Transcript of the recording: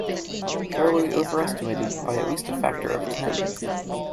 Charlie overestimated by at least a factor of ten.